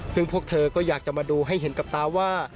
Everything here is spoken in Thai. ซึ่งพวกเธอก็อยากจะมาดูให้เห็นกับตาว่า